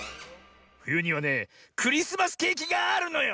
ふゆにはねクリスマスケーキがあるのよ！